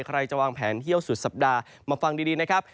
ใครจะวางแผนเที่ยวสุดสัปดาห์มาฟังดีนะครับ